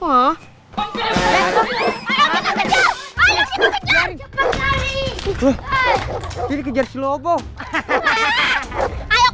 masuk udah masuk